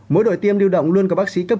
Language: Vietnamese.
mỗi đội tiêm lưu động luôn có bác sĩ cấp